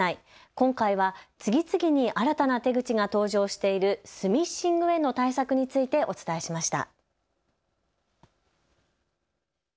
今回は次々に新たな手口が登場しているスミッシングへの対策についてお伝えしました。